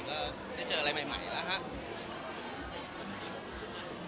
ก็ได้เจออะไรใหม่แล้วครับ